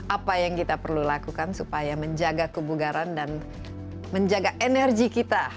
apa yang kita perlu lakukan supaya menjaga kebugaran dan menjaga energi kita